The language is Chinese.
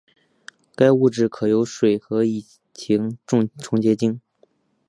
该产物可由水和乙腈重结晶。